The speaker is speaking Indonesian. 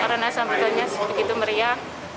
karena sampetannya begitu meriah